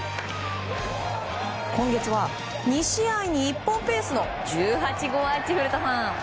今月は、２試合に１本ペースの１８号アーチ。